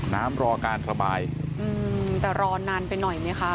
รอการระบายอืมแต่รอนานไปหน่อยไหมคะ